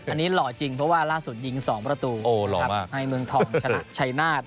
อันนี้หล่อจริงเพราะว่าร่าสุดยิง๒ประตูนะครับให้เมืองทองฉลาดไชนาด